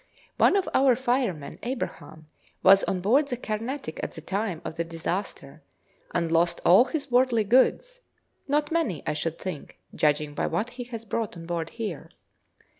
One of our firemen, Abraham, was on board the 'Carnatic' at the time of the disaster, and lost all his worldly goods (not many, I should think, judging by what he has brought on board here).